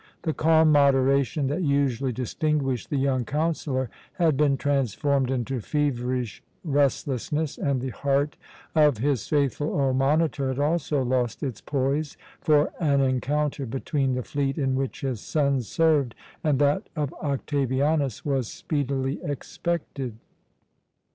The calm moderation that usually distinguished the young counsellor had been transformed into feverish restlessness, and the heart of his faithful old monitor had also lost its poise; for an encounter between the fleet in which his sons served and that of Octavianus was speedily expected.